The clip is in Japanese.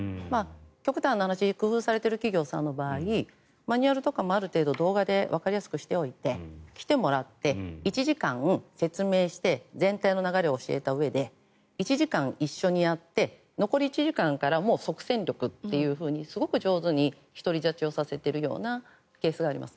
極端な話工夫されている企業さんの場合マニュアルとかも、ある程度動画でわかりやすくしておいて来てもらって、１時間説明して全体の流れを教えたうえで１時間一緒にやって残り１時間からもう即戦力とすごく上手に独り立ちをさせているケースがあります。